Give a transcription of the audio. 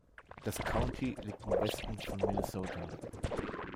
Das County liegt im Westen von Minnesota.